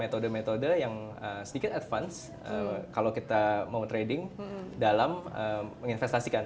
metode metode yang sedikit advance kalau kita mau trading dalam menginvestasikan